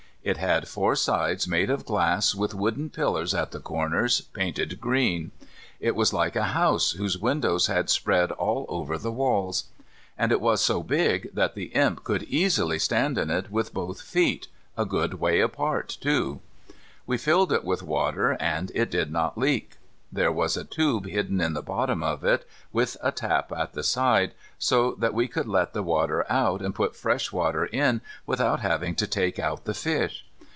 It had four sides made of glass, with wooden pillars at the corners, painted green. It was like a house whose windows had spread all over the walls. And it was so big that the Imp could easily stand in it with both feet, a good way apart, too. We filled it with water and it did not leak. There was a tube hidden in the bottom of it with a tap at the side, so that we could let the water out and put fresh water in without having to take out the fish.